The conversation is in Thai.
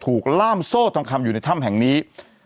ล่ามโซ่ทองคำอยู่ในถ้ำแห่งนี้